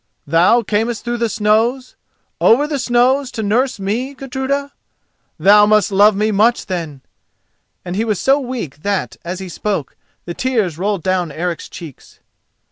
"Thou camest through the snows—over the snows—to nurse me, Gudruda? Thou must love me much then," and he was so weak that, as he spoke, the tears rolled down Eric's cheeks.